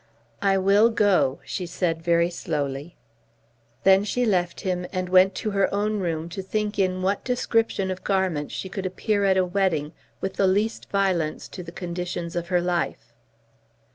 "I will go," she said very slowly. Then she left him and went to her own room to think in what description of garment she could appear at a wedding with the least violence to the conditions of her life.